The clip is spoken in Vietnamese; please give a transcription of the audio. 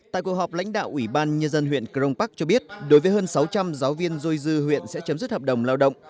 tại cuộc họp lãnh đạo ủy ban nhân dân huyện crong park cho biết đối với hơn sáu trăm linh giáo viên dôi dư huyện sẽ chấm dứt hợp đồng lao động